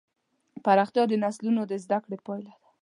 پراختیا د نسلونو د زدهکړې پایله ده.